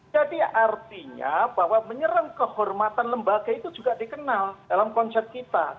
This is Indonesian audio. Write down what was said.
jadi artinya bahwa menyerang kehormatan lembaga itu juga dikenal dalam konsep kita